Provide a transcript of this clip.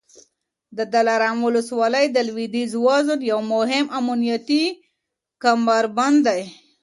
د دلارام ولسوالي د لوېدیځ زون یو مهم امنیتي کمربند دی